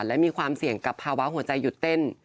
และมีความเสี่ยงกับภาวะหัวใจหยุดเต้น